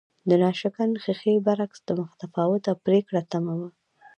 د ناشکن ښیښې برعکس متفاوته پرېکړه تمه وه